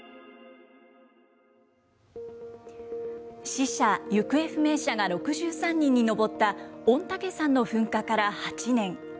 死者・行方不明者が６３人に上った御嶽山の噴火から８年。